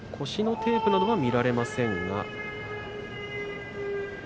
腰のテープなどは見られませんが。